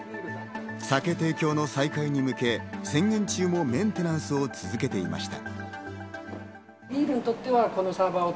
酒提供の再開に向け、宣言中もメンテナンスを続けていました。